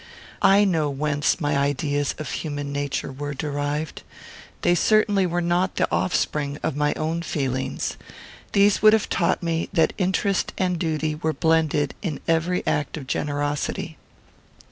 I know whence my ideas of human nature were derived. They certainly were not the offspring of my own feelings. These would have taught me that interest and duty were blended in every act of generosity.